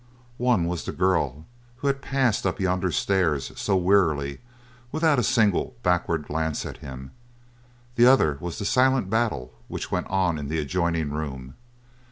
One was the girl who had passed up yonder stairs so wearily without a single backward glance at him; the other was the silent battle which went on in the adjoining room.